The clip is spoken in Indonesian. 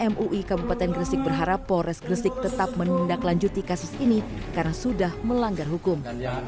mui kabupaten gresik berharap polres gresik tetap menindaklanjuti kasus ini karena sudah melanggar hukum